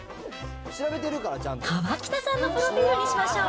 河北さんのプロフィールにしましょう。